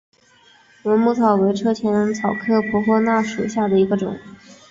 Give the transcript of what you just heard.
蚊母草为车前草科婆婆纳属下的一个种。